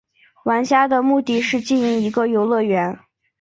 玩家的目的是经营一个游乐园。